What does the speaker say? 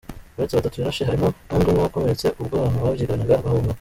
Uretse batatu yarashe, harimo n’undi umwe wakomeretse ubwo abantu babyiganaga bahunga.